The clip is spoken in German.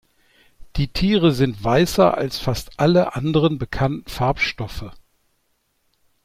Die Tiere sind weißer als fast alle anderen bekannten Farbstoffe.